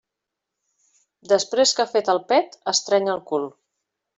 Després que ha fet el pet, estreny el cul.